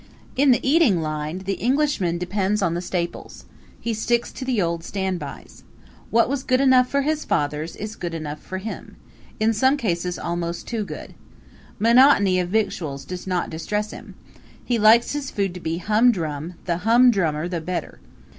In the eating line the Englishman depends on the staples. He sticks to the old standbys. What was good enough for his fathers is good enough for him in some cases almost too good. Monotony of victuals does not distress him. He likes his food to be humdrum; the humdrummer the better.